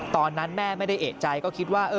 ตอนนั้นแม่ไม่ได้เอกใจก็คิดว่า